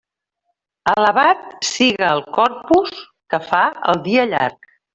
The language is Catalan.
Alabat siga el Corpus, que fa el dia llarg.